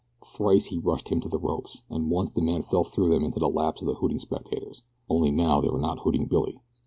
Thrice he rushed him to the ropes, and once the man fell through them into the laps of the hooting spectators only now they were not hooting Billy.